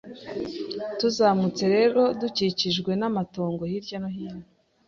Twazamutse rero dukikijwe n'amatongo hirya no hino